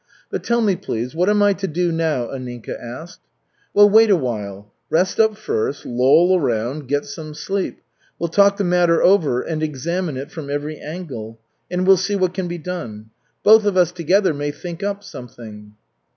"But tell me, please, what am I to do now?" Anninka asked. "Well, wait a while. Rest up first, loll around, get some sleep. We'll talk the matter over and examine it from every angle, and we'll see what can be done. Both of us together may think up something."